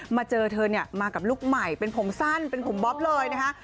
เจอเธอเนี่ยมากับลูกใหม่เป็นผมสั้นเป็นผมบ๊อบเลยนะคะ